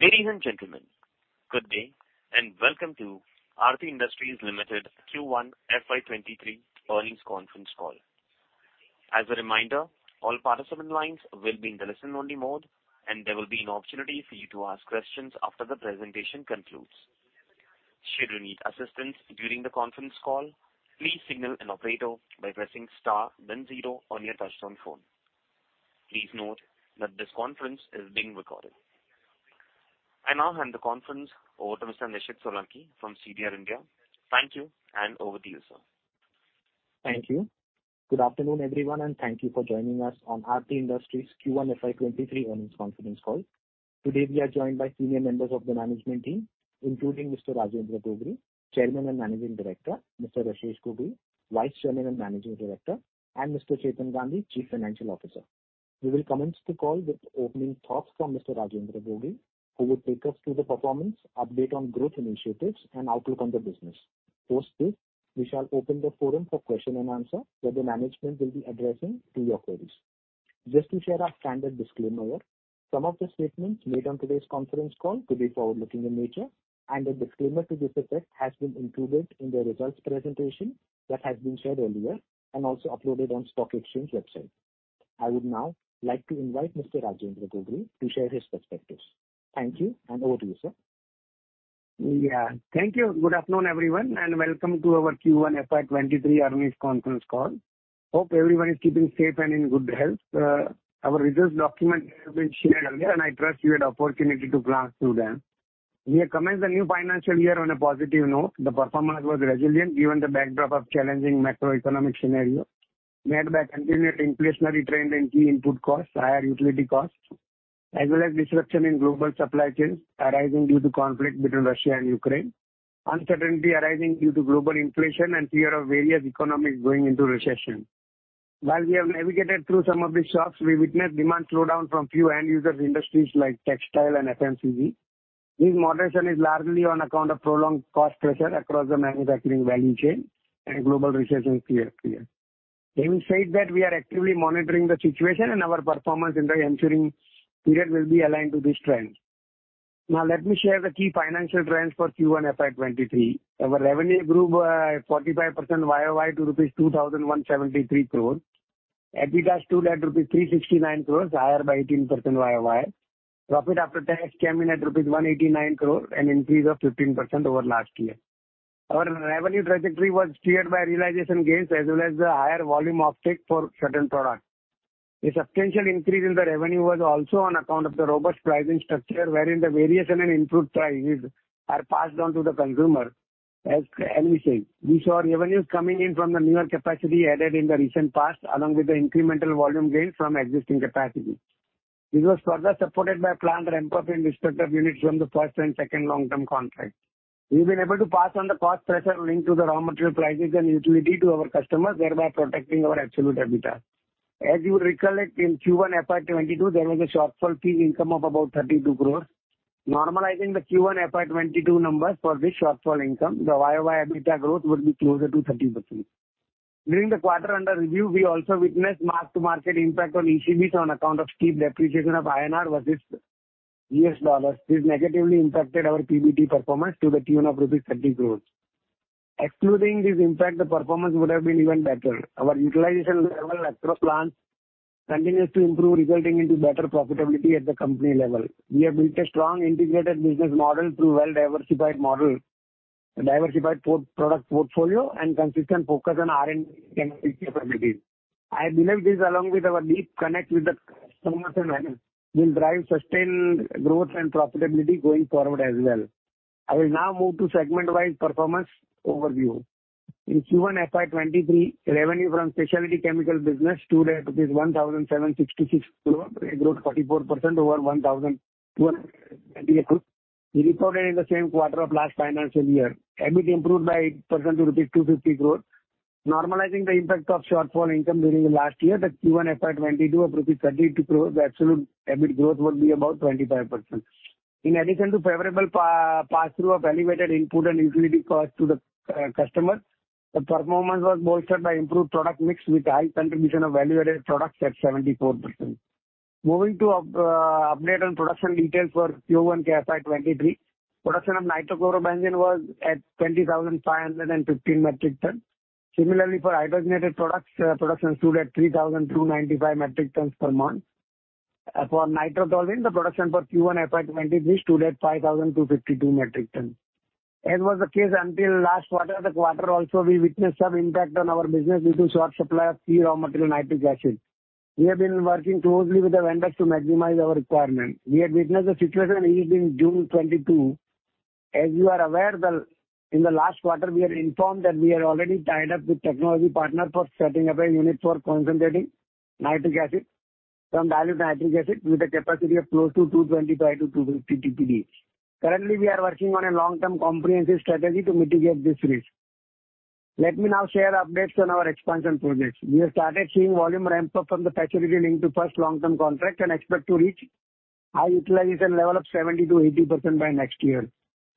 Ladies and gentlemen, good day and welcome to Aarti Industries Limited First Quarter Fiscal Year 2023 Earnings Conference Call. As a reminder, all participant lines will be in the listen-only mode, and there will be an opportunity for you to ask questions after the presentation concludes. Should you need assistance during the conference call, please signal an operator by pressing star then zero on your touchtone phone. Please note that this conference is being recorded. I now hand the conference over to Mr. Nishid Solanki from CDR India. Thank you, and over to you, sir. Thank you. Good afternoon, everyone, and thank you for joining us on Aarti Industries first quarter fiscal year 2023 earnings conference call. Today, we are joined by senior members of the management team, including Mr. Rajendra Gogri, Chairman and Managing Director, Mr. Rashesh Gogri, Vice Chairman and Managing Director, and Mr. Chetan Gandhi, Chief Financial Officer. We will commence the call with opening thoughts from Mr. Rajendra Gogri, who will take us through the performance, update on growth initiatives and outlook on the business. Post this, we shall open the forum for question and answer, where the management will be addressing to your queries. Just to share our standard disclaimer, some of the statements made on today's conference call could be forward-looking in nature and a disclaimer to this effect has been included in the results presentation that has been shared earlier and also uploaded on stock exchange website. I would now like to invite Mr. Rajendra Gogri to share his perspectives. Thank you, and over to you, sir. Yeah. Thank you. Good afternoon, everyone, and welcome to our first quarter fiscal year 2023 earnings conference call. Hope everyone is keeping safe and in good health. Our results documents have been shared earlier, and I trust you had opportunity to glance through them. We have commenced the new financial year on a positive note. The performance was resilient given the backdrop of challenging macroeconomic scenario marked by continued inflationary trend in key input costs, higher utility costs, as well as disruption in global supply chains arising due to conflict between Russia and Ukraine, uncertainty arising due to global inflation and fear of various economies going into recession. While we have navigated through some of these shocks, we witnessed demand slowdown from few end user industries like textile and FMCG. This moderation is largely on account of prolonged cost pressure across the manufacturing value chain and global recession fear. Having said that, we are actively monitoring the situation and our performance in the ensuing period will be aligned to this trend. Now let me share the key financial trends for first quarter fiscal year 2023. Our revenue grew by 45% year-over-year to rupees 2,173 crores. EBITDA stood at rupees 369 crores, higher by 18% year-over-year. Profit after tax came in at rupees 189 crores, an increase of 15% over last year. Our revenue trajectory was steered by realization gains as well as the higher volume offtake for certain products. A substantial increase in the revenue was also on account of the robust pricing structure wherein the variation in input prices are passed on to the consumer as and when we said. We saw revenues coming in from the newer capacity added in the recent past, along with the incremental volume gains from existing capacities. This was further supported by planned ramp-up in respective units from the first and second long-term contract. We've been able to pass on the cost pressure linked to the raw material prices and utility to our customers, thereby protecting our absolute EBITDA. As you recall it, in first quarter fiscal year 2022, there was a shortfall key income of about 32 crores. Normalizing the first quarter fiscal year 2022 numbers for this shortfall income, the year-over-year EBITDA growth would be closer to 30%. During the quarter under review, we also witnessed mark-to-market impact on ECBs on account of steep depreciation of INR versus US dollars. This negatively impacted our PBT performance to the tune of rupees 30 crores. Excluding this impact, the performance would have been even better. Our utilization level across plants continues to improve, resulting in better profitability at the company level. We have built a strong integrated business model through well-diversified product portfolio and consistent focus on R&D capabilities. I believe this along with our deep connection with the customers will drive sustained growth and profitability going forward as well. I will now move to segment-wide performance overview. In first quarter fiscal year 2023, revenue from specialty chemical business stood at 1,766 crore. It grew 44% over 1,200 we reported in the same quarter of last financial year. EBIT improved by 8% to rupees 250 crores. Normalizing the impact of other income during the last year, the first quarter fiscal year 2022 of rupees 32 crores, the absolute EBIT growth will be about 25%. In addition to favorable pass-through of elevated input and utility costs to the customer, the performance was bolstered by improved product mix with high contribution of value-added products at 74%. Moving to update on production details for first quarter fiscal year 2023. Production of nitrochlorobenzene was at 20,515 metric tons. Similarly, for hydrogenated products, production stood at 3,295 metric tons per month. For nitrotoluene, the production for first quarter fiscal year 2023 stood at 5,252 metric tons. As was the case until last quarter, the quarter also we witnessed some impact on our business due to short supply of key raw material nitric acid. We have been working closely with the vendors to maximize our requirement. We had witnessed the situation eased in June 2022. As you are aware, in the last quarter we are informed that we are already tied up with technology partner for setting up a unit for concentrating nitric acid from dilute nitric acid with a capacity of close to 225 to 250 TPD. Currently, we are working on a long-term comprehensive strategy to mitigate this risk. Let me now share updates on our expansion projects. We have started seeing volume ramp-up from the facility linked to first long-term contract and expect to reach high utilization level of 70% to 80% by next year.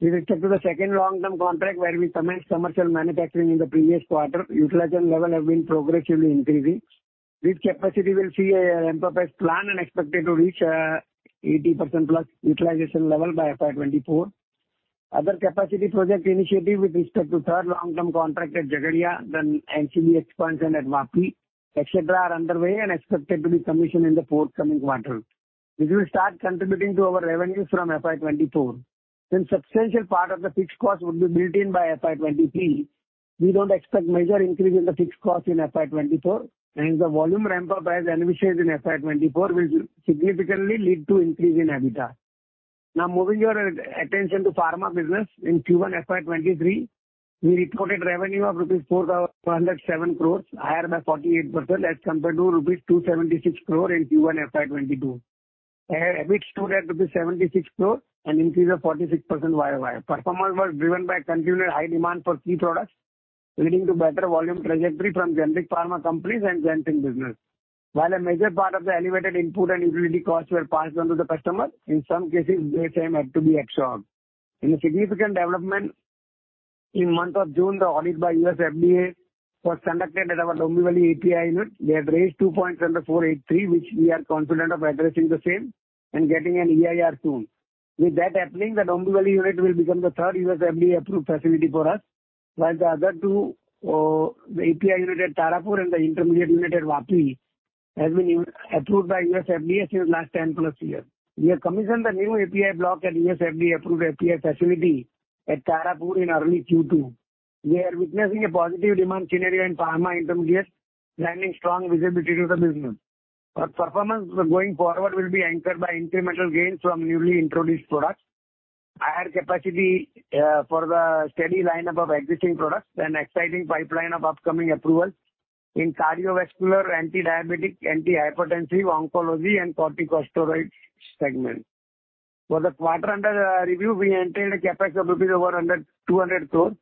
With respect to the second long-term contract where we commenced commercial manufacturing in the previous quarter, utilization level have been progressively increasing. This capacity will see a ramp-up as planned and expected to reach 80%+ utilization level by fiscal year 2024. Other capacity project initiative with respect to third long-term contract at Jagadia, then NCB expansion at Vapi, etc., are underway and expected to be commissioned in the forthcoming quarter. This will start contributing to our revenues from fiscal year 2024. Since substantial part of the fixed cost would be built in by fiscal year 2023, we don't expect major increase in the fixed cost in fiscal year 2024, and the volume ramp-up as envisaged in fiscal year 2024 will significantly lead to increase in EBITDA. Now moving your attention to pharma business. In first quarter fiscal year 2023, we reported revenue of rupees 4,107 crore, higher by 48% as compared to rupees 276 crore in first quarter fiscal year 2022. EBIT stood at 76 crore rupees, an increase of 46% year-over-year. Performance was driven by continued high demand for key products, leading to better volume trajectory from generic pharma companies and fencing business. While a major part of the elevated input and utility costs were passed on to the customer, in some cases the same had to be absorbed. In a significant development, in month of June, the audit by USFDA was conducted at our Dombivli API unit. They have raised two points under Form 483, which we are confident of addressing the same and getting an EIR soon. With that happening, the Dombivli unit will become the third USFDA-approved facility for us, while the other two, the API unit at Tarapur and the intermediate unit at Vapi has been FDA-approved by USFDA since last 10-plus years. We have commissioned the new API block at USFDA-approved API facility at Tarapur in early second quarter. We are witnessing a positive demand scenario in pharma intermediates, lending strong visibility to the business. Our performance going forward will be anchored by incremental gains from newly introduced products, higher capacity for the steady lineup of existing products, and exciting pipeline of upcoming approvals in cardiovascular, antidiabetic, antihypertensive, oncology, and corticosteroid segment. For the quarter under review, we entered a CapEx of INR 100 to 200 crores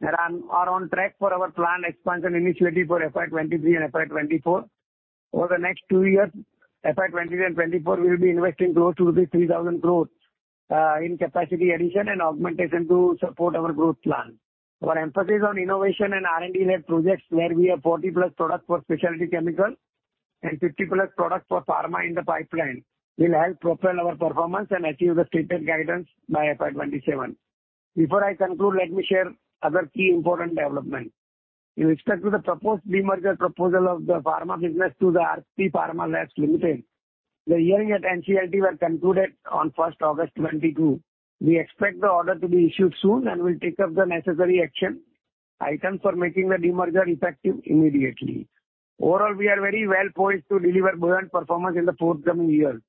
and are on track for our planned expansion initiative for fiscal year 2023 and fiscal year 2024. Over the next two years, fiscal year 2023 and 2024, we'll be investing close to 3,000 crores in capacity addition and augmentation to support our growth plan. Our emphasis on innovation and R&D-led projects where we have 40-plus products for specialty chemicals and 50-plus products for pharma in the pipeline will help propel our performance and achieve the stated guidance by fiscal year 2027. Before I conclude, let me share other key important development. With respect to the proposed demerger proposal of the pharma business to Aarti Pharmalabs Limited, the hearing at NCLT were concluded on 1 August 2022. We expect the order to be issued soon and will take up the necessary action items for making the demerger effective immediately. Overall, we are very well poised to deliver buoyant performance in the forthcoming year.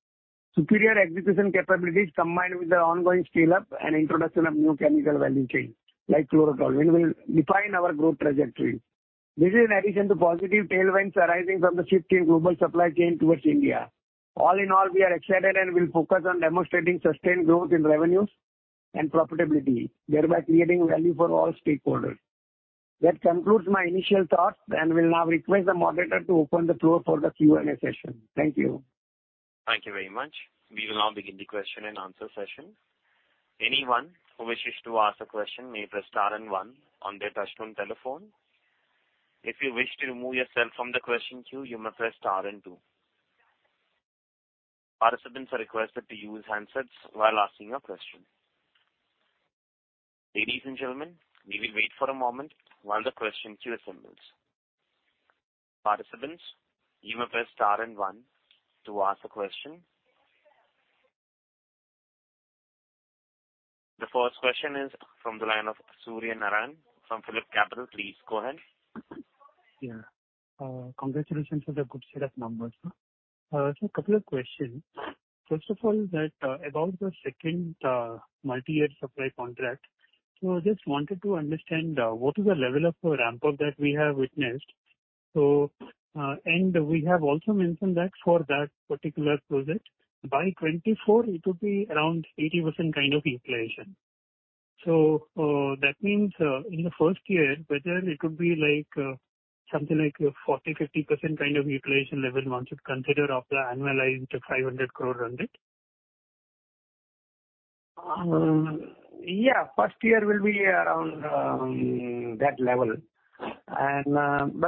Superior execution capabilities, combined with the ongoing scale-up and introduction of new chemical value chain like chlorotoluenes will define our growth trajectory. This is in addition to positive tailwinds arising from the shift in global supply chain towards India. All in all, we are excited and will focus on demonstrating sustained growth in revenues and profitability, thereby creating value for all stakeholders. That concludes my initial thoughts and will now request the moderator to open the floor for the Q&A session. Thank you. Thank you very much. We will now begin the question and answer session. Anyone who wishes to ask a question may press star and one on their touchtone telephone. If you wish to remove yourself from the question queue, you may press star and two. Participants are requested to use handsets while asking a question. Ladies and gentlemen, we will wait for a moment while the question queue assembles. Participants, you may press star and one to ask a question. The first question is from the line of Surya Narayan from PhillipCapital. Please go ahead. Yeah. Congratulations on the good set of numbers. Just a couple of questions. First of all is that, about the second, multi-year supply contract. Just wanted to understand, what is the level of, ramp-up that we have witnessed. We have also mentioned that for that particular project, by 2024 it would be around 80% kind of utilization. That means, in the first year, whether it would be like, something like 40%, 50% kind of utilization level once you consider of the annualized 500 crore revenue. Yeah, first year will be around that level.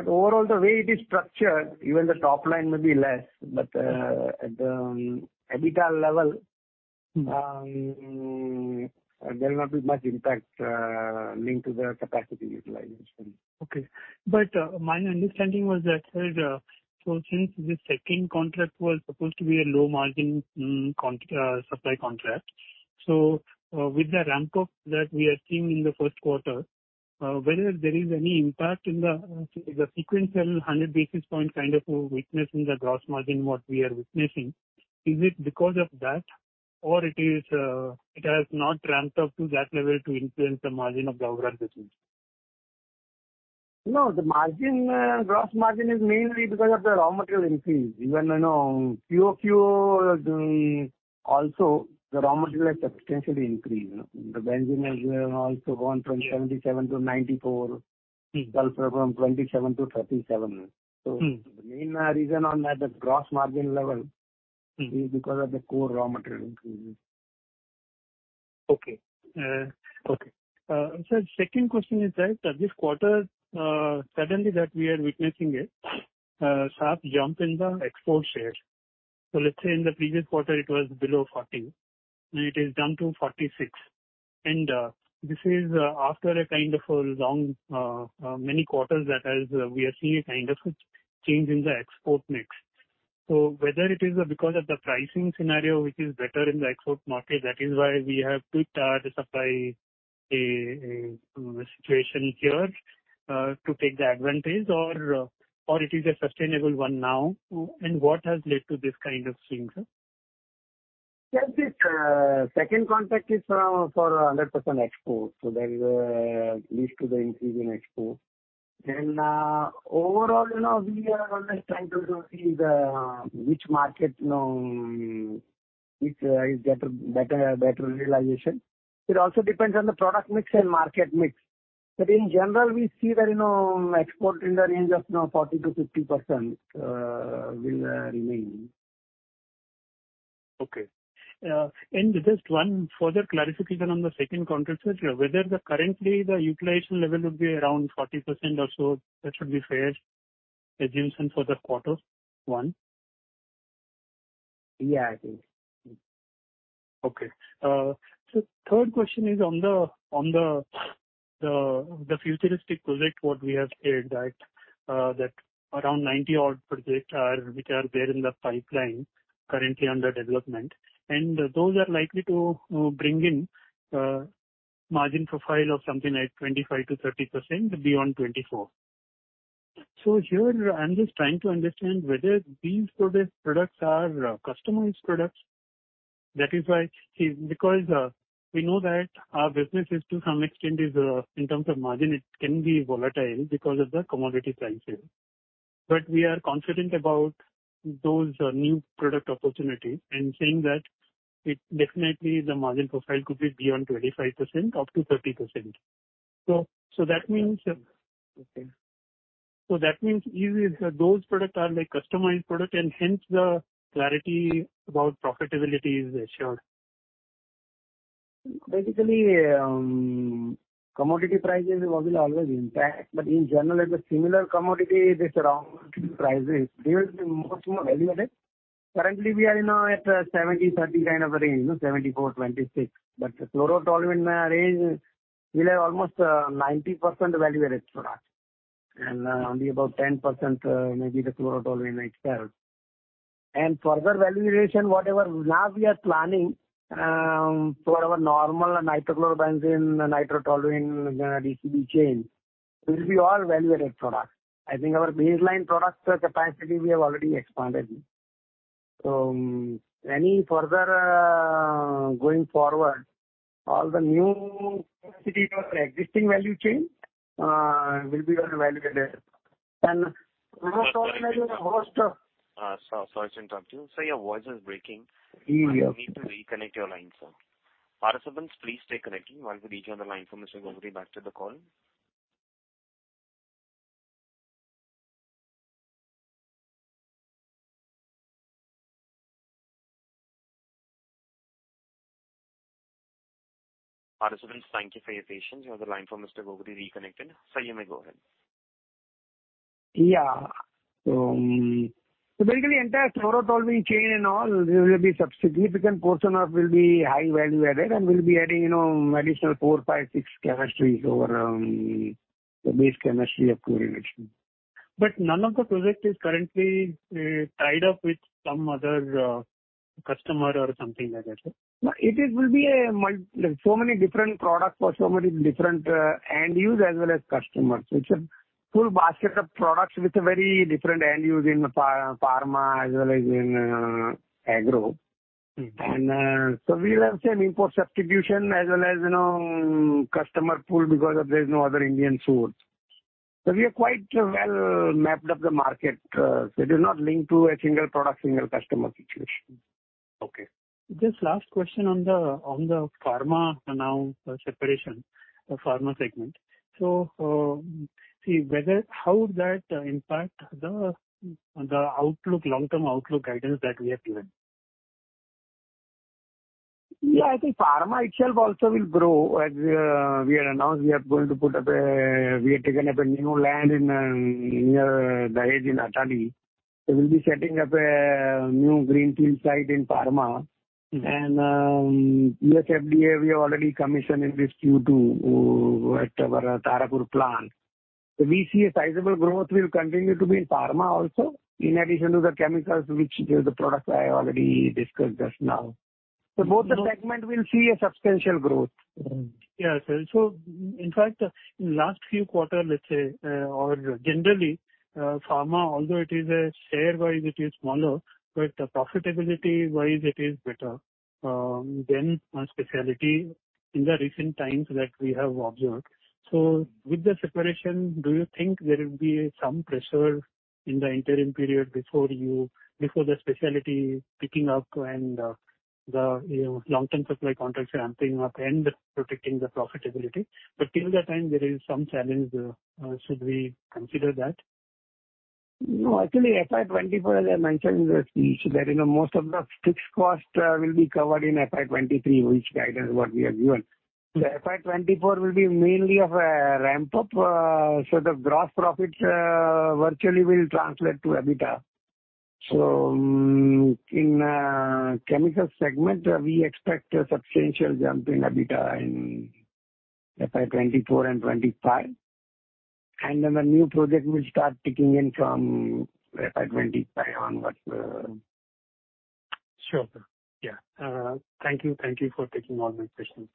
Overall, the way it is structured, even the top line may be less, but at the EBITDA level, there'll not be much impact linked to the capacity utilization. My understanding was that, so since this second contract was supposed to be a low margin supply contract. With the ramp-up that we are seeing in the first quarter, whether there is any impact in the sequential 100-basis point kind of a weakness in the gross margin, what we are witnessing. Is it because of that, or it is, it has not ramped up to that level to influence the margin of the overall business? No, the margin, gross margin is mainly because of the raw material increase. Even, you know, quarter-on-quarter, also the raw material has substantially increased. The benzene has, also gone from 77 to 94. Mm-hmm. Sulfur from 27 to 37. Mm-hmm. The main reason, on the gross margin level, because of the core raw material increases. Okay. Sir, second question is that this quarter suddenly that we are witnessing a sharp jump in the export share. Let's say in the previous quarter it was below 40%, and it has jumped to 46%. This is after a kind of a long many quarters that has we are seeing a kind of change in the export mix. Whether it is because of the pricing scenario which is better in the export market, that is why we have tweaked our supply situation here to take the advantage or it is a sustainable one now. What has led to this kind of swing, sir? Yes. This second contract is for 100% export, so that leads to the increase in export. Overall, you know, we are always trying to see which market you know which is better realization. It also depends on the product mix and market mix. In general, we see that, you know, export in the range of 40% to 50% will remain. Okay. Just one further clarification on the second contract, sir. Whether the current utilization level would be around 40% or so. That should be fair assumption for the quarter one. Yeah, I think. Third question is on the futuristic project, what we have heard that around 90% odd projects are which are there in the pipeline currently under development, and those are likely to bring in margin profile of something like 25% to 30% beyond 2024. Here I'm just trying to understand whether these projects products are customized products. That is why, because we know that our business is to some extent in terms of margin, it can be volatile because of the commodity pricing. We are confident about those new product opportunities and saying that it definitely the margin profile could be beyond 25%, up to 30%. That means either those products are like customized products and hence the clarity about profitability is assured. Basically, commodity prices will always impact. In general, if a similar commodity, this raw material prices, they will be more value added. Currently we are, you know, at a 70% to 30% kind of a range, you know, 74% to 26%. Chloro toluene range will have almost 90% value-added products and only about 10% maybe the chloro toluene itself. Further value addition, whatever now we are planning, for our normal nitrochlorobenzene, nitrotoluene, DCB chain will be all value-added products. I think our baseline products capacity we have already expanded. Any further, going forward, all the new capacity or existing value chain, will be all value-added. We are already a host of... Sorry to interrupt you. Sir, your voice is breaking. Yeah. You need to reconnect your line, sir. Participants, please stay connected while we get Mr. Gogri back on the line. Participants, thank you for your patience. You have the line for Mr. Gogri reconnected. Sir, you may go ahead. Basically, entire chlorotoluene chain and all, there will be significant portion of will be high value added and we'll be adding, you know, additional four, five, six chemistries over the base chemistry of chlorination. None of the project is currently tied up with some other customer or something like that, sir. No, it will be so many different products for so many different end users as well as customers. It's a full basket of products with a very different end use in the pharma as well as in agro. Mm-hmm. We will have some import substitution as well as, you know, customer pool because there is no other Indian source. We are quite well mapped up the market. It is not linked to a single product, single customer situation. Okay. Just last question on the pharma announce separation, the pharma segment. See whether how that impact the outlook, long-term outlook guidance that we have given. Yeah, I think pharma itself also will grow. As we had announced, we have taken up a new land in near Dahej in Atali. We'll be setting up a new greenfield site in pharma. Mm-hmm. USFDA we have already commissioned in this second quarter at our Tarapur plant. We see a sizable growth will continue to be in pharma also in addition to the chemicals which the products I already discussed just now. Both the segment will see a substantial growth. Mm-hmm. Yeah, sir. In fact in last few quarter let's say, or generally, pharma although it is a share wise it is smaller, but profitability wise it is better than specialty in the recent times that we have observed. With the separation, do you think there will be some pressure in the interim period before the specialty picking up and the, you know, long-term supply contracts are ramping up and protecting the profitability. Till that time, there is some challenge. Should we consider that? No. Actually, fiscal year 2024, as I mentioned in the speech, that, you know, most of the fixed cost will be covered in fiscal year 2023, which guidance what we have given. The fiscal year 2024 will be mainly of a ramp-up, so the gross profits virtually will translate to EBITDA. In chemical segment, we expect a substantial jump in EBITDA in fiscal year 2024 and 2025. The new project will start kicking in from fiscal year 2025 onwards. Sure. Yeah. Thank you. Thank you for taking all my questions.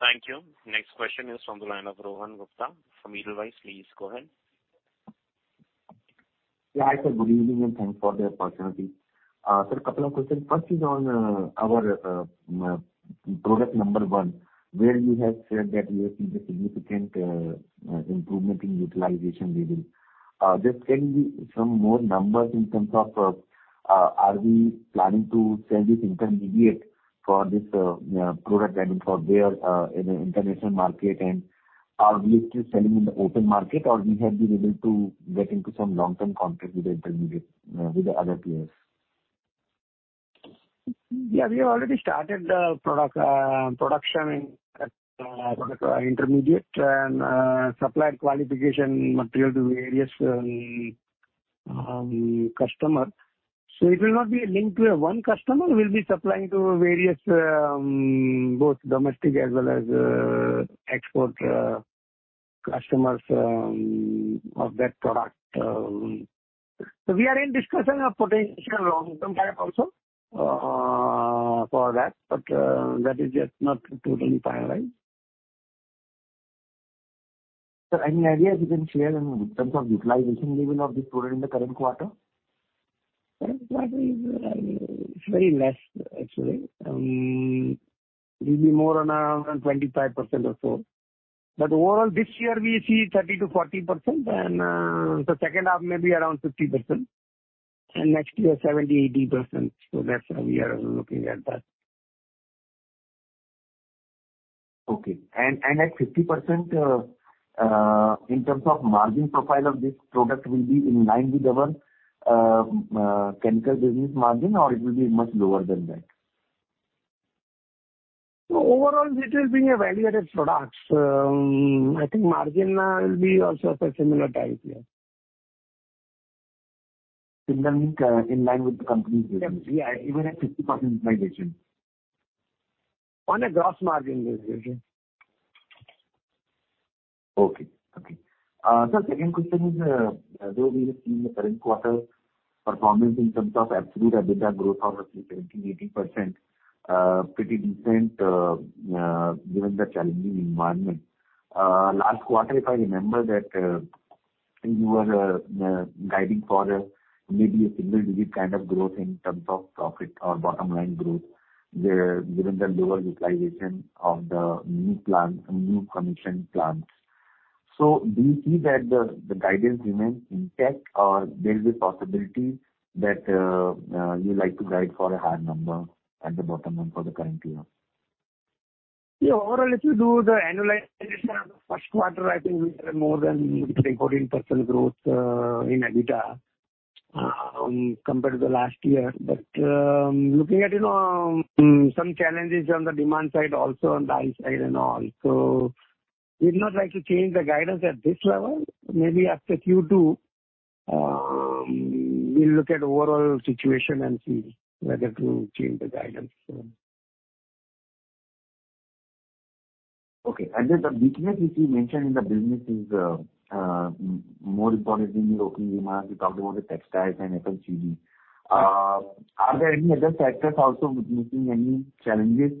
Thank you. Next question is from the line of Rohan Gupta from Edelweiss. Please go ahead. Yeah. Hi, sir. Good evening, and thanks for the opportunity. A couple of questions. First is on our product number one, where you have said that you are seeing a significant improvement in utilization level. Just can you give some more numbers in terms of are we planning to sell this intermediate for this product, I mean, for there in the international market? Are we still selling in the open market, or we have been able to get into some long-term contract with the intermediate with the other players? Yeah. We have already started production of product intermediates and supplier qualification material to various customers. It will not be linked to one customer. We'll be supplying to various both domestic as well as export customers of that product. We are in discussion of potential long-term contract also for that, but that is just not totally finalized. Sir, any idea you can share in terms of utilization level of this product in the current quarter? Current quarter is, it's very less actually. It'll be more around 25% or so. Overall, this year we see 30% to 40% and the second half maybe around 50%. Next year, 70% to 80%. That's how we are looking at that. At 50% in terms of margin profile of this product will be in line with our chemical business margin or it will be much lower than that? Overall it will be a value-added products. I think margin will be also of a similar type, yeah. Similar mean, in line with the company's business? Yeah. Even at 50% utilization. On a gross margin reservation. Okay. Sir, second question is, though we have seen the current quarter performance in terms of absolute EBITDA growth of roughly 70% to 80%, pretty decent, given the challenging environment. Last quarter, if I remember that, I think you were guiding for maybe a single-digit kind of growth in terms of profit or bottom-line growth there, given the lower utilization of the new plant, new commissioned plants. Do you see that the guidance remains intact or there is a possibility that you like to guide for a higher number at the bottom line for the current year? Yeah. Overall, if you do the annualization of the first quarter, I think we have more than 30% growth in EBITDA compared to the last year. Looking at you know some challenges on the demand side also on the high side and all. We'd not like to change the guidance at this level. Maybe after second quarter, we'll look at overall situation and see whether to change the guidance. Okay. The weakness which you mentioned in the business is more important in the opening remarks. You talked about the textiles and FMCG. Are there any other sectors also facing any challenges?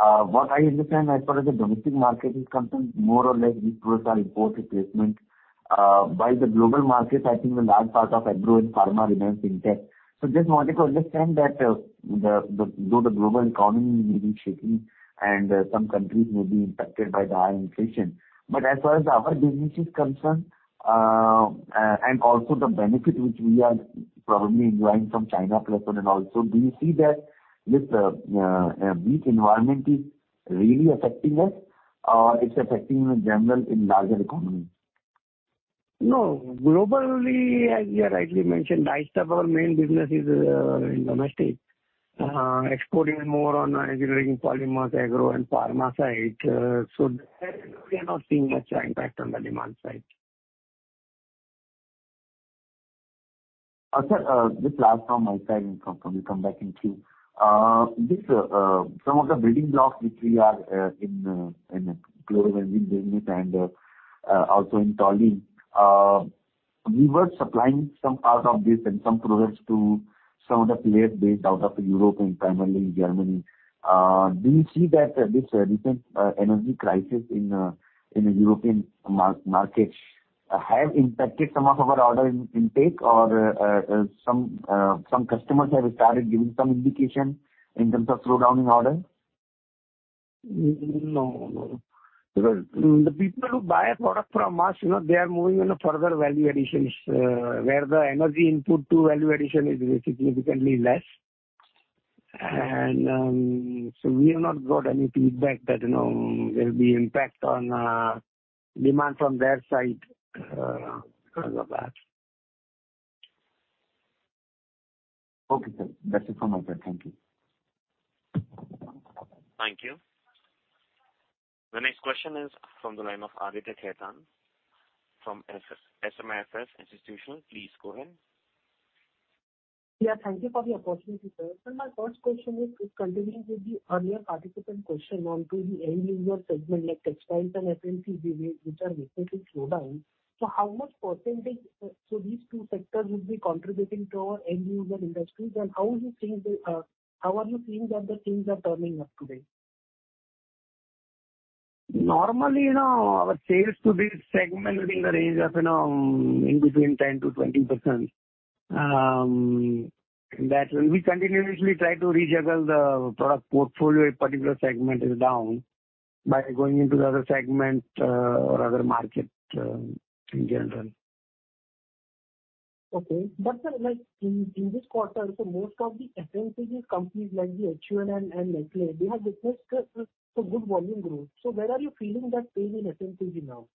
What I understand as far as the domestic market is concerned, more or less these products are import replacement. By the global market, I think a large part of agro and pharma remains intact. Just wanted to understand that, though the global economy may be shaking and some countries may be impacted by the high inflation, but as far as our business is concerned, and also the benefit which we are probably enjoying from China Plus One and all, do you see that this weak environment is really affecting us, or it's affecting in general in larger economy? No. Globally, as you rightly mentioned, large part of our main business is in domestic. Export even more on engineering polymers, agro and pharma side. There we are not seeing much impact on the demand side. Sir, one last question from my side. We come back into some of the building blocks which we are in chlorotoluene business and also in taurine. We were supplying some part of this and some products to some of the players based out of Europe and primarily in Germany. Do you see that this recent energy crisis in the European market have impacted some of our order intake or some customers have started giving some indication in terms of slowdown in order? No, no. Because the people who buy a product from us, you know, they are moving on a further value additions, where the energy input to value addition is significantly less. We have not got any feedback that, you know, there'll be impact on demand from their side, because of that. Okay, sir. That's it from my side. Thank you. Thank you. The next question is from the line of Aditya Khetan from SMIFS Institution. Please go ahead. Yeah, thank you for the opportunity, sir. My first question is, continuing with the earlier participant question onto the end user segment like textiles and FMCG which are recently slowed down. How much percentage these two sectors would be contributing to our end user industries and how are you seeing that the things are turning up today? Normally now our sales to this segment within the range of, you know, in between 10% to 20%. That's when we continuously try to rejiggle the product portfolio a particular segment is down by going into the other segment, or other market, in general. Okay. Sir, like in this quarter, so most of the FMCG companies like the HUL and Nestlé, they have witnessed a good volume growth. Where are you feeling that pain in FMCG now?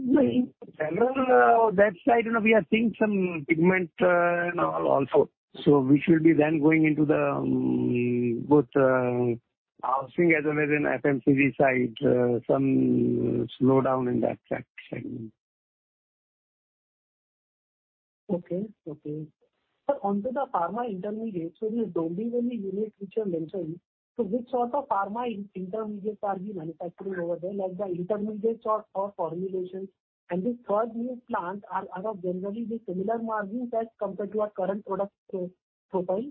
No, in general, that side, you know, we are seeing some pigment, you know, also. We should be then going into both housing as well as in FMCG side, some slowdown in that section. Okay. Sir, onto the pharma intermediates. The Dombivli unit which you have mentioned, which sort of pharma intermediate are you manufacturing over there? Like the intermediates or formulations. The third new plant are of generally similar margins as compared to your current product profile?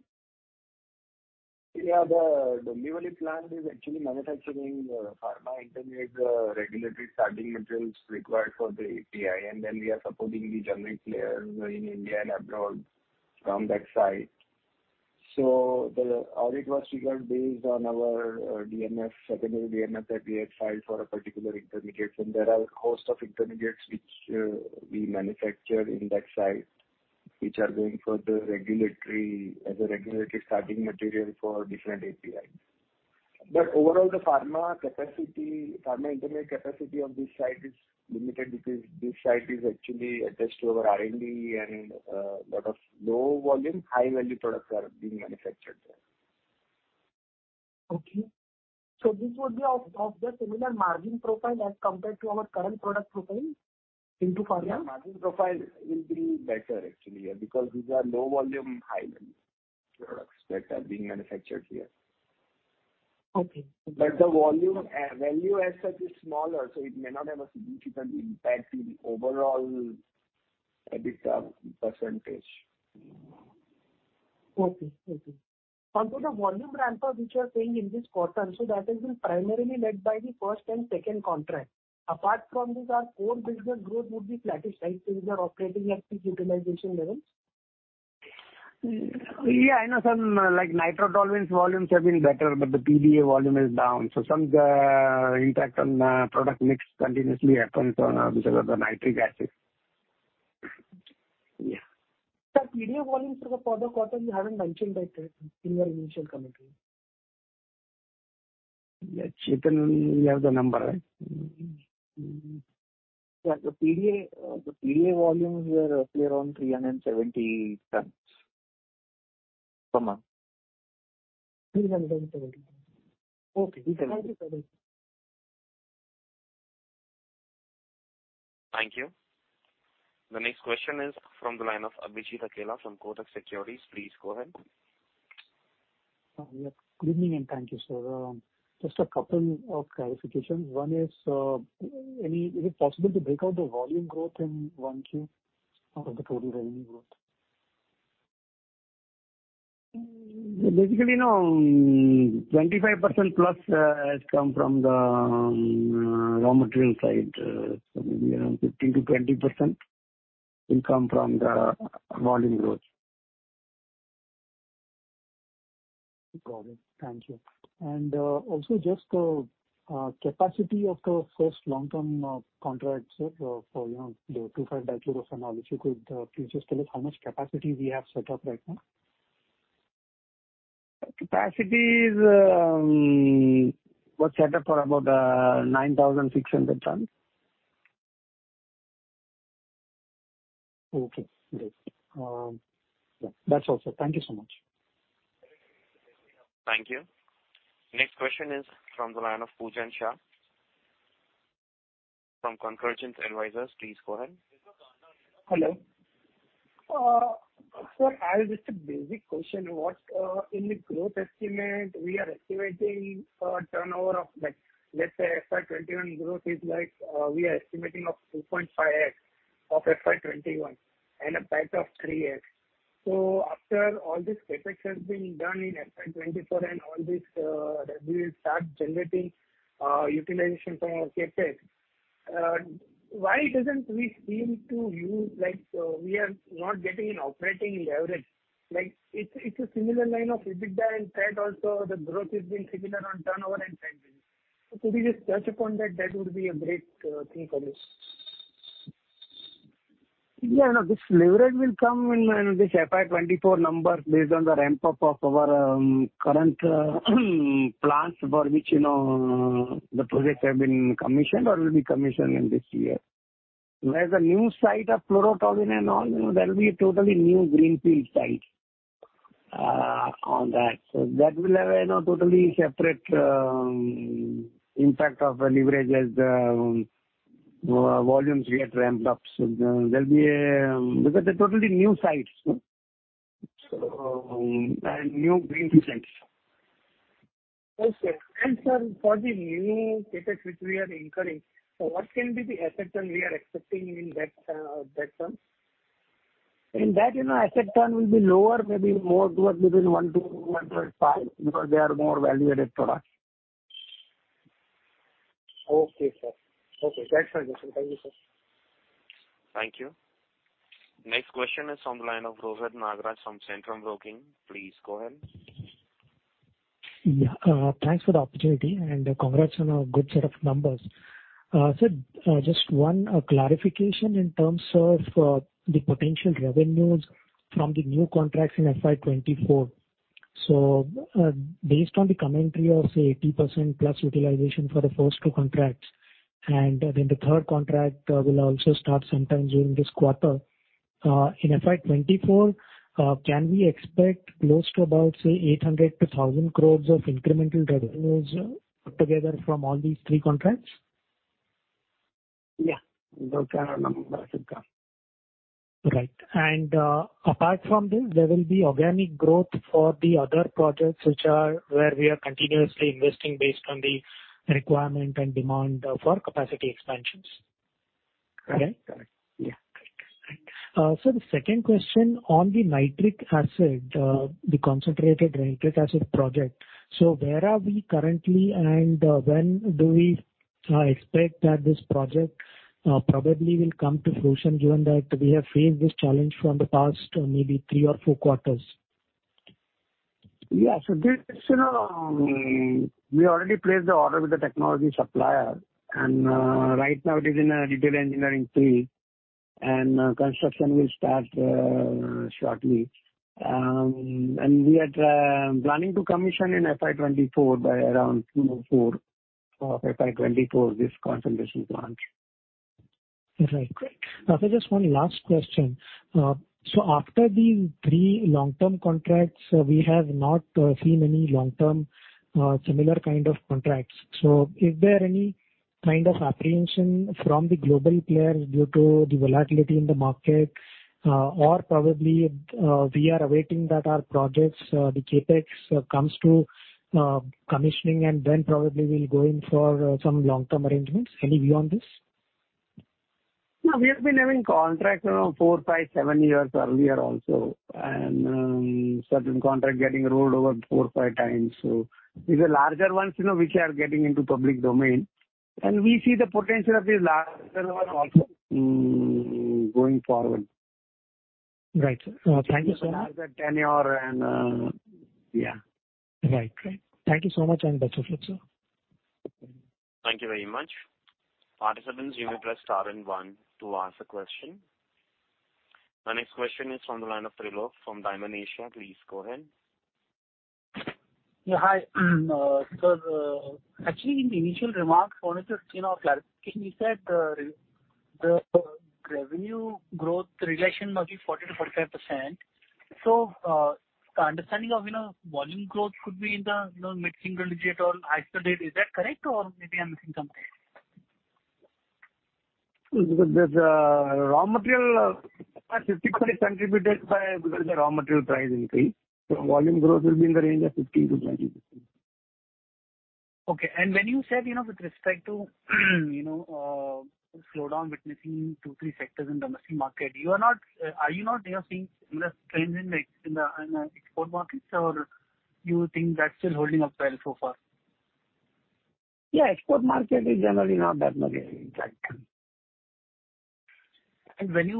Yeah. The Dombivali plant is actually manufacturing pharma intermediate, regulatory starting materials required for the API. We are supporting the generic players in India and abroad from that side. The audit was triggered based on our DMF, secondary DMF that we had filed for a particular intermediate. There are a host of intermediates which we manufacture in that site, which are going for the regulatory as a regulatory starting material for different API. Overall, the pharma capacity, pharma intermediate capacity of this site is limited because this site is actually attached to our R&D and lot of low volume, high value products are being manufactured there. Okay. This would be of the similar margin profile as compared to our current product profile into pharma? Yeah, margin profile will be better actually, yeah. Because these are low volume, high value products that are being manufactured here. Okay. The volume and value as such is smaller, so it may not have a significant impact to the overall EBITDA percentage. Okay. Onto the volume ramp-up which you are saying in this quarter, so that has been primarily led by the first and second contract. Apart from this, our core business growth would be flattish, right? Since we are operating at peak utilization levels. Yeah, I know some like nitrotoluene volumes have been better, but the p-Phenylenediamine volume is down. Some impact on product mix continuously happens because of the nitric acid. Yeah. Sir, p-Phenylenediamine volumes for the quarter you haven't mentioned, right, in your initial commentary. Yeah. Chetan, you have the number, right? Yeah. The p-Phenylenediamine volumes were around 370 tons per month. 370 tons. Okay. Thank you, sir. Thank you. The next question is from the line of Abhijeet Akela from Kotak Securities. Please go ahead. Yeah. Good evening and thank you, sir. Just a couple of clarifications. One is it possible to break out the volume growth in first quarter out of the total revenue growth? Basically, you know, 25%+ has come from the raw material side. Maybe around 15% to 20% will come from the volume growth. Got it. Thank you. Also, just capacity of the first long-term contract, sir, for, you know, the 2,5-dichlorophenol. If you could please just tell us how much capacity we have set up right now. Capacity was set up for about 9,600 tons. Okay, great. Yeah. That's all, sir. Thank you so much. Thank you. Next question is from the line of Pooja Shah from Convergence Advisors. Please go ahead. Hello. I have just a basic question. What, in the growth estimate we are estimating a turnover of like, let's say fiscal year 2021 growth is like, we are estimating of 2.5x of fiscal year 2021 and a PAT of 3x. After all this CapEx has been done in fiscal year 2024 and all this, that we will start generating, utilization from our CapEx, why doesn't we seem to use. Like, we are not getting an operating leverage. Like, it's a similar line of EBITDA and that also the growth has been similar on turnover and trending. Could you just touch upon that? That would be a great thing for me. Yeah, no, this leverage will come in this fiscal year 2024 numbers based on the ramp-up of our current plans for which, you know, the projects have been commissioned or will be commissioned in this year. Whereas the new site of fluorotoluenes and all, you know, there'll be a totally new greenfield site on that. So that will have a, you know, totally separate impact of leverage as volumes get ramped up. So there'll be a. Because they're totally new sites. So, and new greenfield sites. Okay. Sir, for the new CapEx which we are incurring, so what can be the asset turn we are expecting in that term? In that, you know, asset turn will be lower, maybe more towards within 1% to 1.5% because they are more value-added products. Okay, sir. Okay. Thanks for answering. Thank you, sir. Thank you. Next question is on the line of Rohit Nagraj from Centrum Broking. Please go ahead. Yeah. Thanks for the opportunity, and congrats on a good set of numbers. Just one clarification in terms of the potential revenues from the new contracts in fiscal year 2024. Based on the commentary of, say, 80%+ utilization for the first two contracts, and then the third contract will also start sometime during this quarter. In fiscal year 2024, can we expect close to about, say, 800 to 1,000 crore of incremental revenues together from all these three contracts? Yeah. Those are numbers that come. Right. Apart from this, there will be organic growth for the other projects which are where we are continuously investing based on the requirement and demand for capacity expansions, correct? Correct. Yeah. Great. Sir, the second question on the nitric acid, the concentrated nitric acid project. Where are we currently, and when do we expect that this project probably will come to fruition, given that we have faced this challenge from the past, maybe three or four quarters? Yeah. This, you know, we already placed the order with the technology supplier, and right now it is in a detailed engineering phase, and construction will start shortly. We are planning to commission in fiscal year 2024, by around fourth quarter of fiscal year 2024, this concentration plant. Right. Great. Just one last question. After these three long-term contracts, we have not seen any long-term similar kind of contracts. Is there any kind of apprehension from the global players due to the volatility in the market, or probably we are awaiting that our projects the CapEx comes to commissioning and then probably we'll go in for some long-term arrangements? Any view on this? No, we have been having contracts, you know, four, five, seven years earlier also, and certain contract getting rolled over four, five times. These are larger ones, you know, which are getting into public domain. We see the potential of these larger ones also, going forward. Right. Thank you so much. Larger tenure and, yeah. Right. Great. Thank you so much, and best of luck, sir. Thank you very much. Participants, you may press star and one to ask a question. The next question is from the line of Trilok from Dymon Asia. Please go ahead. Yeah. Hi. Actually in the initial remarks, I wanted to, you know, clarify. You said the revenue growth projection must be 40% to 45%. Understanding of, you know, volume growth could be in the mid-single-digit or higher state. Is that correct, or maybe I'm missing something? 50% contributed by the raw material price increase. Volume growth will be in the range of 15% to 20%. Okay. When you said, you know, with respect to, you know, slowdown witnessing two, three sectors in domestic market, are you not, you know, seeing similar trends in the export markets, or you think that's still holding up well so far? Yeah. Export market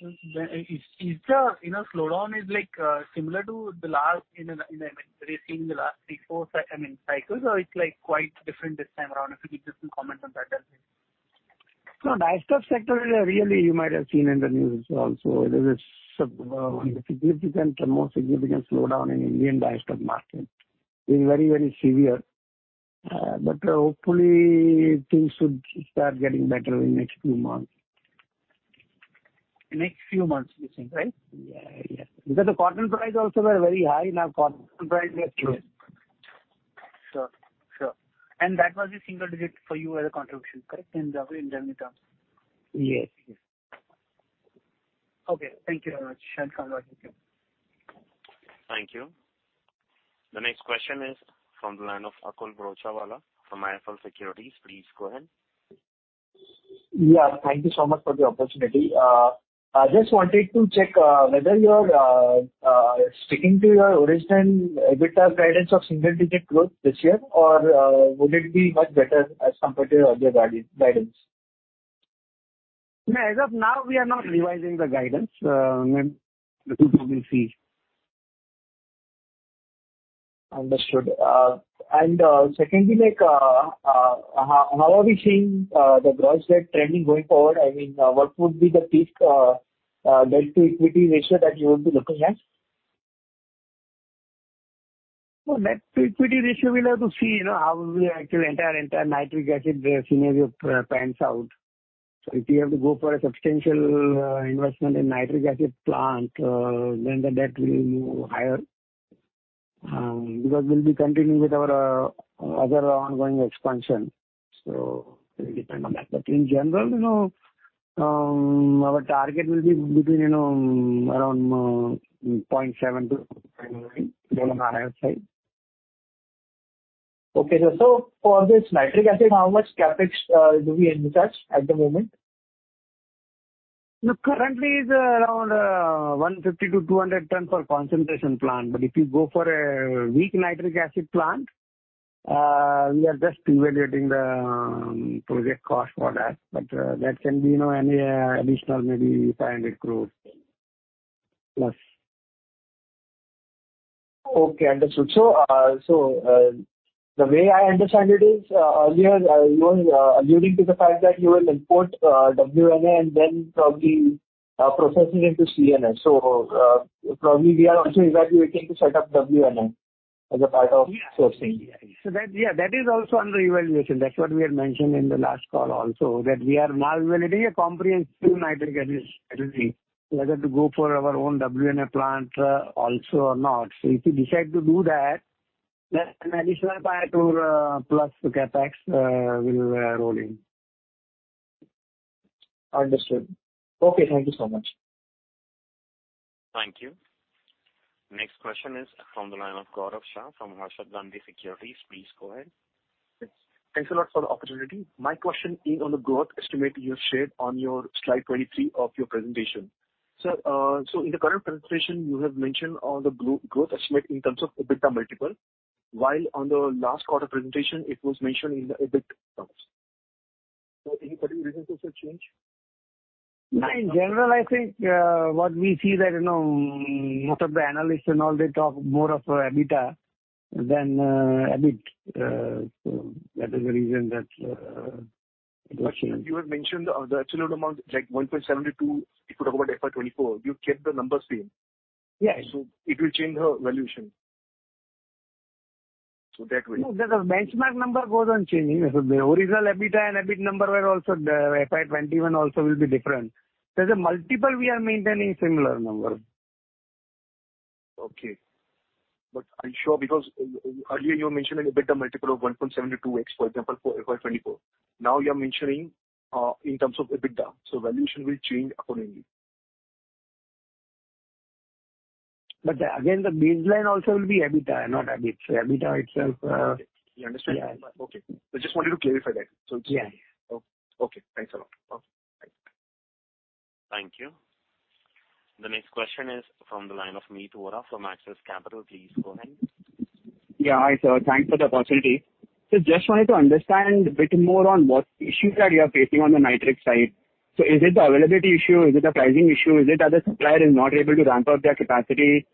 is generally not that much impacted. Is the slowdown like similar to the last, you know, I mean, we have seen the last three, four cycles, or it's like quite different this time around? If you could just comment on that's it. No, dyestuff sector really you might have seen in the news also. There is a more significant slowdown in Indian dyestuff market. It is very, very severe. But hopefully things should start getting better in next few months. Next few months you think, right? Yeah. Because the cotton price also were very high. Now cotton price are low. Sure. That was a single digit for you as a contribution, correct? In general terms. Yes. Okay. Thank you very much. Congratulations. Thank you. The next question is from the line of Akul Broachwala from IIFL Securities. Please go ahead. Yeah. Thank you so much for the opportunity. I just wanted to check whether you're sticking to your original EBITDA guidance of single-digit growth this year or would it be much better as compared to your earlier guidance? No, as of now we are not revising the guidance. Maybe we will see. Understood. Secondly, like, how are we seeing the gross debt trending going forward? I mean, what would be the peak debt-to-equity ratio that you would be looking at? Well, net debt-to-equity ratio we'll have to see, you know, how the actual entire nitric acid scenario pans out. If we have to go for a substantial investment in nitric acid plant, then the debt will move higher. Because we'll be continuing with our other ongoing expansion. It'll depend on that. In general, you know, our target will be between, you know, around 0.7% to 1% on our side. For this nitric acid, how much CapEx do we anticipate at the moment? Currently is around 150 tons to 200 tons for concentration plant. If you go for a weak nitric acid plant, we are just evaluating the project cost for that. That can be, you know, any, additional maybe 500 crore plus. Okay, understood. The way I understand it is, earlier, you were alluding to the fact that you will import WNA and then probably process it into CNA. Probably we are also evaluating to set up WNA as a part of... Yeah. Sourcing. That, yeah, that is also under evaluation. That's what we had mentioned in the last call also, that we are now evaluating a comprehensive nitric acid strategy, whether to go for our own WNA plant also or not. If we decide to do that, then an additional INR 5 crore plus CapEx will roll in. Understood. Okay, thank you so much. Thank you. Next question is from the line of Gaurav Shah from Harshad Gandhi Securities. Please go ahead. Thanks. Thanks a lot for the opportunity. My question is on the growth estimate you shared on your slide 23 of your presentation. So in the current presentation you have mentioned the growth estimate in terms of EBITDA multiple, while on the last quarter presentation it was mentioned in the EBIT terms. Any particular reason for the change? No, in general, I think what we see that, you know, most of the analysts and all, they talk more of EBITDA than EBIT. So that is the reason that it was shown. You had mentioned the absolute amount, like 1.72x, if you talk about fiscal year 2024, you kept the numbers same. Yes. It will change the valuation. That will... No, the benchmark number goes on changing. The original EBITDA and EBIT number were also, the fiscal year 2021 also will be different. As a multiple, we are maintaining similar number. Okay. Are you sure? Because earlier you mentioned an EBITDA multiple of 1.72x, for example, for fiscal year 2024. Now you are mentioning in terms of EBITDA, so valuation will change accordingly. again, the baseline also will be EBITDA, not EBIT. EBITDA itself, Okay. Yeah, understood. Yeah. Okay. I just wanted to clarify that. Yeah. Okay. Thanks a lot. Okay, bye. Thank you. The next question is from the line of Meet Vora from Axis Capital. Please go ahead. Yeah, hi sir. Thanks for the opportunity. Just wanted to understand a bit more on what issues that you are facing on the nitric side. Is it the availability issue? Is it a pricing issue? Is it that the supplier is not able to ramp up their capacity?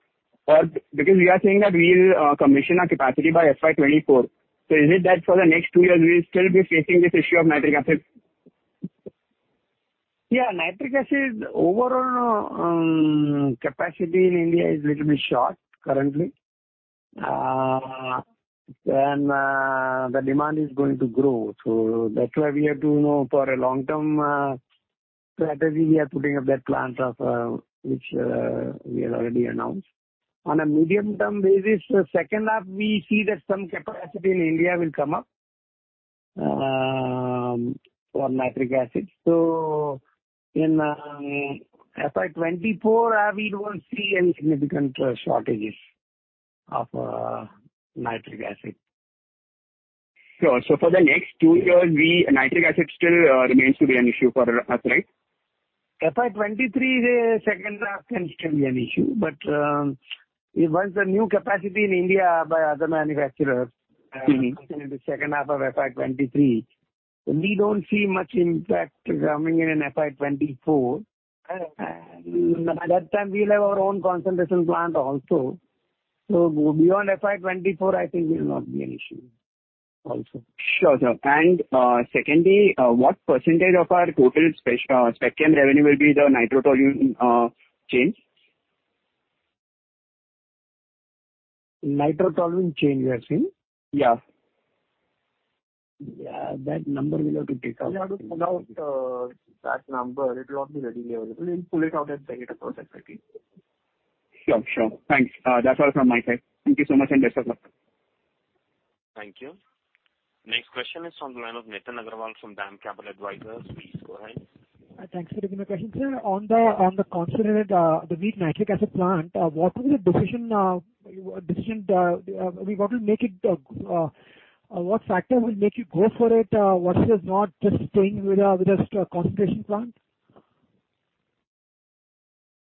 Because we are saying that we'll commission our capacity by fiscal year 2024. Is it that for the next two years we'll still be facing this issue of nitric acid? Yeah. Nitric acid, overall, capacity in India is little bit short currently. The demand is going to grow. That's why we have to, you know, for a long-term strategy, we are putting up that plant which we have already announced. On a medium-term basis, second half, we see that some capacity in India will come up for nitric acid. In fiscal year 2024, we don't see any significant shortages of nitric acid. Sure. For the next two years, nitric acid still remains to be an issue for us, right? fiscal year 2023, the second half can still be an issue. Once the new capacity in India by other manufacturers. Mm-hmm. Come into second half of fiscal year 2023, we don't see much impact coming in in fiscal year 2024. By that time we'll have our own concentration plant also. Beyond fiscal year 2024, I think it will not be an issue also. Sure, sir. Secondly, what percentage of our total spec chem revenue will be the nitrotoluene change? Nitrotoluene change you are saying? Yeah. Yeah, that number we'll have to take out. We have to pull out that number. It will not be readily available. We'll pull it out and send it across separately. Sure. Thanks. That's all from my side. Thank you so much and best of luck. Thank you. Next question is from the line of Nitin Agarwal from DAM Capital Advisors. Please go ahead. Thanks for taking my question. Sir, on the concentrated weak nitric acid plant, what factor will make you go for it versus not just staying with just a concentration plant?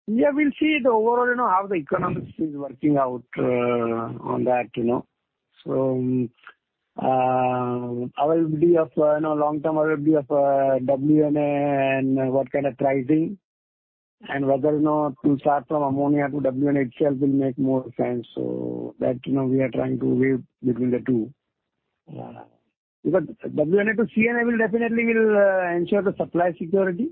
Yeah, we'll see the overall, you know, how the economics is working out on that, you know. Availability of, you know, long-term availability of WNA and what kind of pricing. Whether or not to start from ammonia to WNA itself will make more sense. That, you know, we are trying to weigh between the two. Because WNA to CNA will definitely ensure the supply security.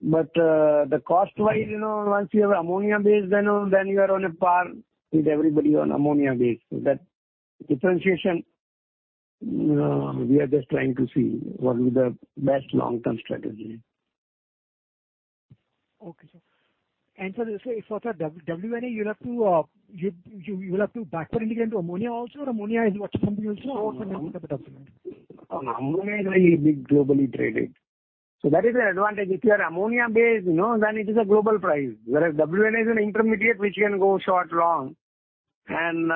The cost-wise, you know, once you have ammonia-based, you know, then you are on a par with everybody on ammonia-based. That differentiation, we are just trying to see what will be the best long-term strategy. Okay, sir. For the WNA, you will have to backward integrate to ammonia also, or ammonia is what you compete with. Ammonia is very big globally traded. That is an advantage. If you are ammonia-based, you know, then it is a global price. Whereas WNA is an intermediate which can go short, long and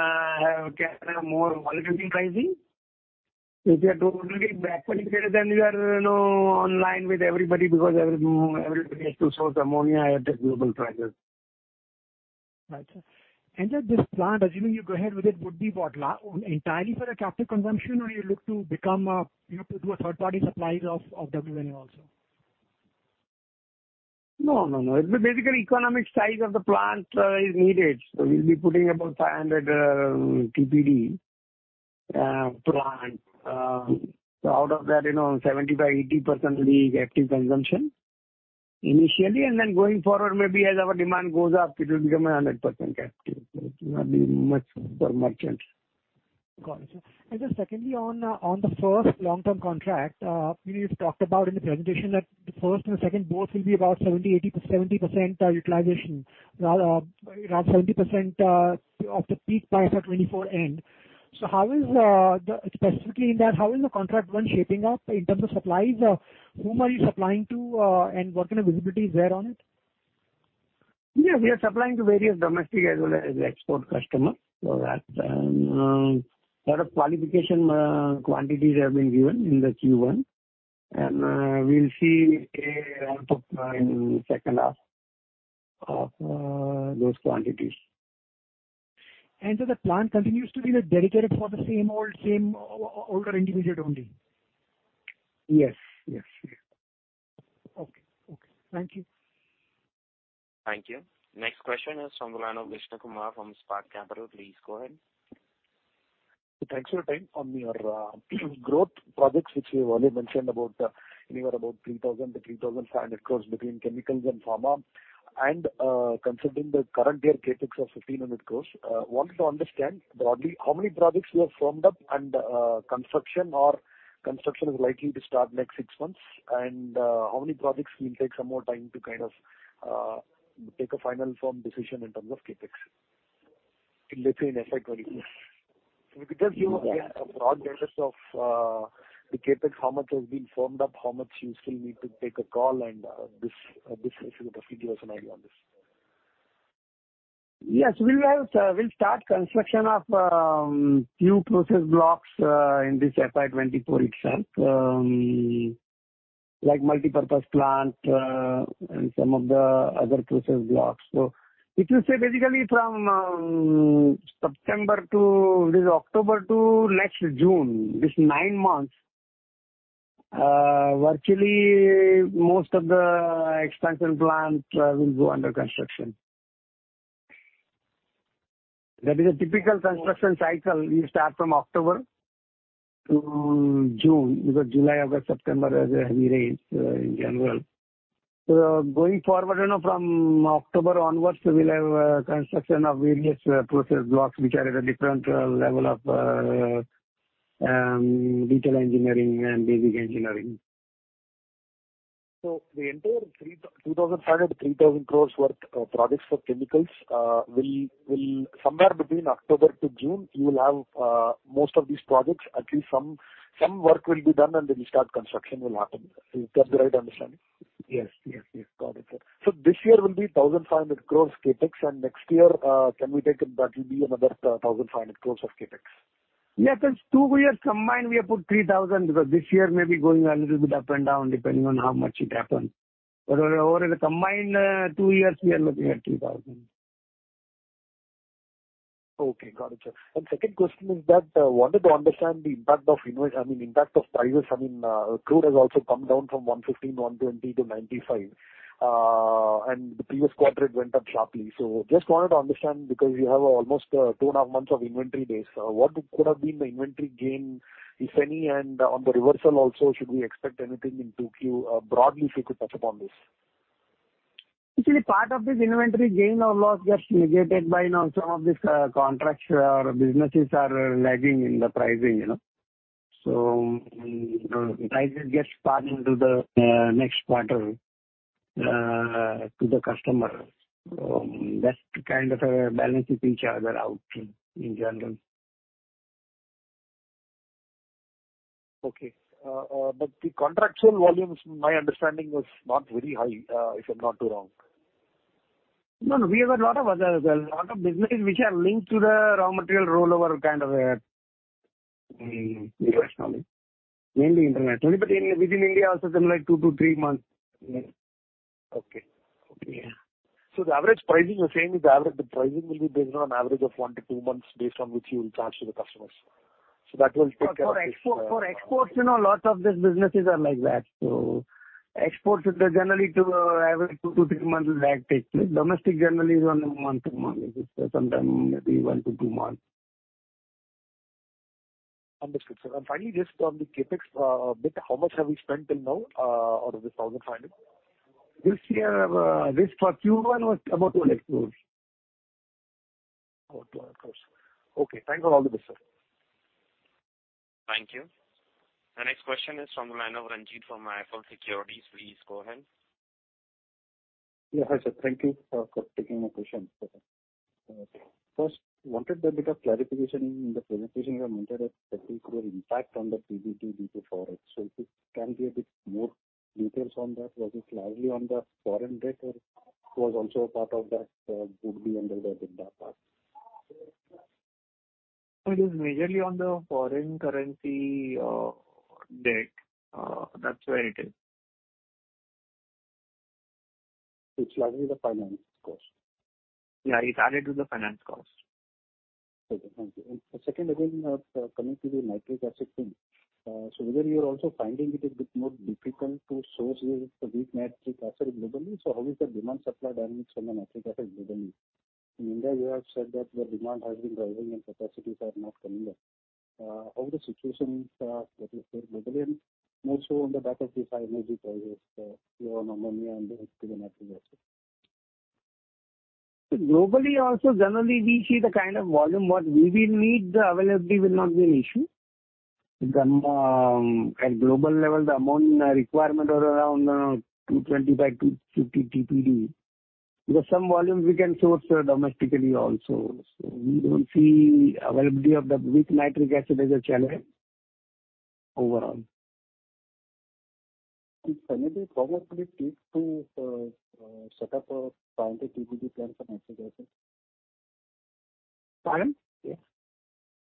can have more volatility pricing. If you are totally backward integrated, then you are, you know, online with everybody because everybody has to source ammonia at the global prices. Right, sir. Just this plant, assuming you go ahead with it, would be what, entirely for the captive consumption, or you look to become a, you know, to do a third-party supplier of WNA also? No, no. It's basically the economic size of the plant is needed. We'll be putting about 500 TPD plant. Out of that, you know, 70% to 80% will be captive consumption initially. Going forward, maybe as our demand goes up, it will become 100% captive. It will not be much for merchants. Got it, sir. Just secondly, on the first long-term contract, you know, you've talked about in the presentation that the first and second both will be about 70% to 80% to 70% utilization. Around 70% of the peak by fiscal year 2024 end. Specifically, in that, how is the contract one shaping up in terms of supplies? Whom are you supplying to, and what kind of visibility is there on it? Yeah, we are supplying to various domestic as well as export customers for that. Lot of qualification quantities have been given in the first quarter. We'll see a ramp-up in second half of those quantities. The plant continues to be dedicated for the same old individual only? Yes. Yes. Yes. Okay. Thank you. Thank you. Next question is from the line of Vishnu Kumar from Spark Capital. Please go ahead. Thanks for your time. On your growth projects, which you've already mentioned about anywhere about 3,000 to 3,500 crore between chemicals and pharma. Considering the current year CapEx of 1,500 crore, wanted to understand broadly how many projects you have firmed up and construction is likely to start next six months. How many projects will take some more time to kind of take a final form decision in terms of CapEx in, let's say, in fiscal year 2024. If you could give, again, a broad guidance of the CapEx, how much has been firmed up, how much you still need to take a call and this, just to give us an idea on this. Yes. We'll start construction of few process blocks in this fiscal year 2024 itself. Like multipurpose plant and some of the other process blocks. If you say basically from September to this October to next June, these nine months, virtually most of the expansion plants will go under construction. That is a typical construction cycle. We start from October to June. Because July, August, September has heavy rains in general. Going forward, you know, from October onwards, we will have construction of various process blocks which are at a different level of detail engineering and basic engineering. The entire 2,500 to 3,000 crores worth projects for chemicals will somewhere between October to June, you will have most of these projects, at least some work will be done and then we start construction will happen. Is that the right understanding? Yes. Yes. Yes. Got it, sir. This year will be 1,500 crores CapEx, and next year, can we take it that will be another 1,500 crores of CapEx? Yes. Since two years combined, we have put 3,000. Because this year may be going a little bit up and down, depending on how much it happens. Over the combined two years we are looking at 3,000. Okay. Got it, sir. Second question is that, wanted to understand the impact of prices. I mean, crude has also come down from 115, 120 to 95. The previous quarter it went up sharply. Just wanted to understand because you have almost 2.5 months of inventory days. What could have been the inventory gain, if any, and on the reversal also, should we expect anything in second quarter? Broadly, if you could touch upon this. Actually, part of this inventory gain or loss gets negated by, you know, some of these contracts or businesses are lagging in the pricing, you know. The prices get passed into the next quarter to the customer. That kind of balances each other out in general. The contractual volumes, my understanding was not very high, if I'm not too wrong. No, no. We have a lot of business which are linked to the raw material rollover kind of. Mm-hmm. Internationally. Mainly international. Within India also some, like, two to three months. The average pricing you're saying will be based on an average of one to two months based on which you will charge to the customers. That will take care of this. For exports, you know, lots of these businesses are like that. Exports it does generally average two to three months. That takes place. Domestic generally is on a month-to-month basis, sometimes maybe one to two months. Understood, sir. Finally, just on the CapEx bit, how much have we spent till now out of 1,005? This year, this first quarter was about 2 lakh. About INR 2 lakh, of course. Okay, thanks for all of this, sir. Thank you. The next question is from the line of Ranjit from Apple Securities. Please go ahead. Yeah. Hi, sir. Thank you for taking my question. First wanted a bit of clarification. In the presentation you have mentioned that there is impact on the PBT due to forex. If you can give a bit more details on that. Was it largely on the foreign debt or was also a part of that, would be under the debt part? It is majorly on the foreign currency debt. That's where it is. It's largely the finance cost. Yeah, it's added to the finance cost. Okay, thank you. Second again, coming to the nitric acid thing. Whether you're also finding it a bit more difficult to source the weak nitric acid globally? How is the demand supply dynamics on the nitric acid globally? In India you have said that the demand has been growing and capacities are not coming up. How the situations are globally and more so on the back of these high energy projects, your ammonia and the nitric acid. Globally also, generally we see the kind of volume what we will need, the availability will not be an issue. The at global level, the amount requirement are around 225 to 250 TPD. There are some volumes we can source domestically also. We don't see availability of the weak nitric acid as a challenge overall. How much it probably takes to set up a 500 TPD plant for nitric acid? Pardon?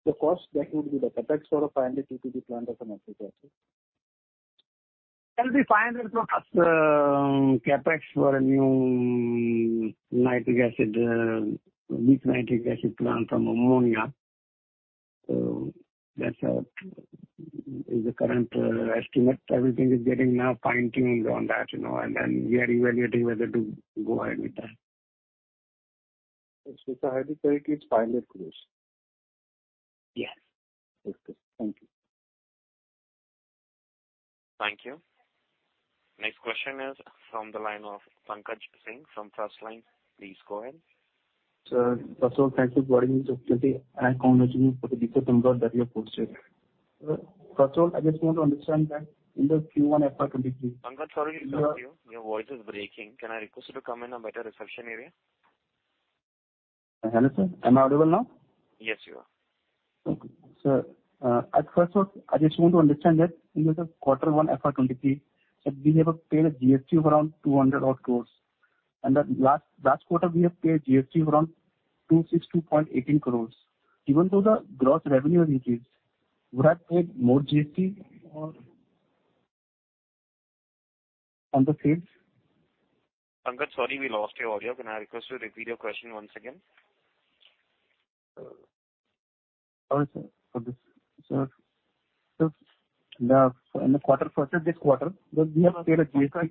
The cost that would be the CapEx for a 500 TPD plant of the nitric acid. It'll be 500-plus CapEx for a new weak nitric acid plant from ammonia. That's the current estimate. Everything is getting now fine-tuned on that, you know, and we are evaluating whether to go ahead with that. I take it it's INR 500,000 crore. Yes. Okay. Thank you. Thank you. Next question is from the line of Pankaj Singh from Firstline. Please go ahead. Sir, first of all, thank you for giving me this opportunity and I congratulate you for the decent number that you have posted. First of all, I just want to understand that in the first quarter fiscal year 2023... Pankaj, sorry to interrupt you. Your voice is breaking. Can I request you to come in a better reception area? Hello sir, am I audible now? Yes, you are. Sir, at first I just want to understand that in this quarter one, fiscal year 2023, that we have paid a GST of around 200-odd crores. The last quarter we have paid GST around 262.18 crores. Even though the gross revenue increased, would have paid more GST or on the sales? Pankaj, sorry we lost your audio. Can I request you to repeat your question once again? Sir, in the first quarter of this quarter, that we have paid a GST. Pankaj,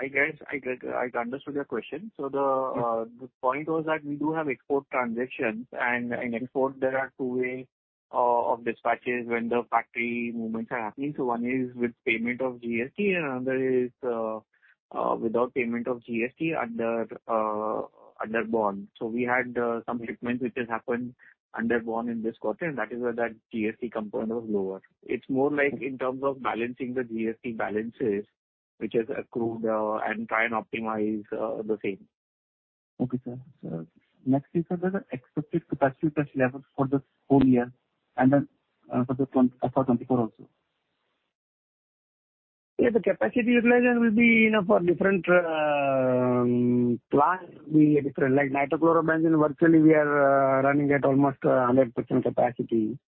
I get it, I understood your question. The point was that we do have export transactions and in export there are two ways of dispatches when the factory movements are happening. One is with payment of GST and another is without payment of GST under bond. We had some shipment which has happened under bond in this quarter, and that is where that GST component was lower. It's more like in terms of balancing the GST balances which has accrued, and try and optimize the same. Okay, sir. Next is, are there expected capacity touch levels for this whole year and then for the 2024 also? Yeah, the capacity utilization will be, you know, for different plant will be different. Like nitrochlorobenzenes virtually we are running at almost 100% capacity.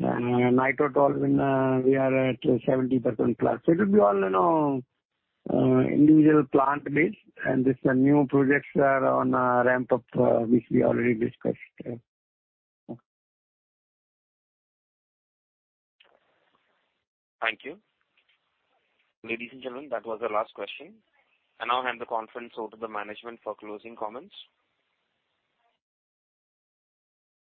Nitrotoluenes, we are at 70%+. It will be all, you know, individual plant based, and these new projects are on ramp up, which we already discussed. Okay. Thank you. Ladies and gentlemen, that was our last question. I now hand the conference over to the management for closing comments.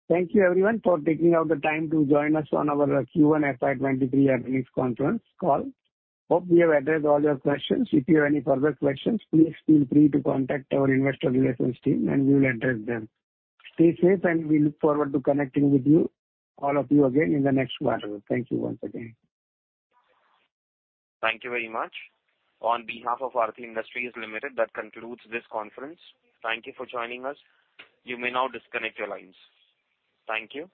Thank you everyone for taking out the time to join us on our first quarter fiscal year 2023 earnings conference call. Hope we have addressed all your questions. If you have any further questions, please feel free to contact our investor relations team, and we will address them. Stay safe, and we look forward to connecting with you, all of you again in the next quarter. Thank you once again. Thank you very much. On behalf of Aarti Industries Limited, that concludes this conference. Thank you for joining us. You may now disconnect your lines. Thank you.